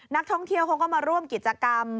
นักท่องเที่ยวเขาก็มาร่วมกิจกรรม